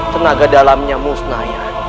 tenaga dalamnya musnah ayah